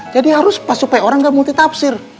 jadi harus pas supaya orang ga multitapsir